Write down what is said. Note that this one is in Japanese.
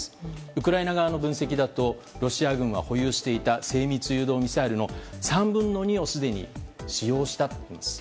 ウクライナ側の分析だとロシア軍が保有していた精密誘導ミサイルの３分の２をすでに使用したといいます。